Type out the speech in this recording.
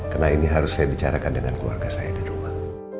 karena ini harus saya bicarakan dengan keluarga saya di rumah